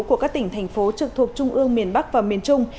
của các tỉnh thành phố trực thuộc trung ương miền bắc và miền trung